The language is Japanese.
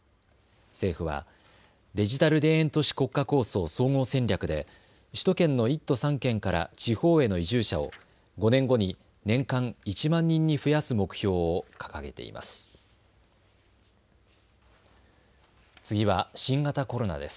政府はデジタル田園都市国家構想総合戦略で首都圏の１都３県から地方への移住者を５年後に年間１万人に増やす目標を掲げています。